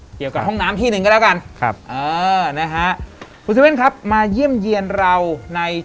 เกี่ยวกับห้องน้ำที่หนึ่งก็แล้วกัน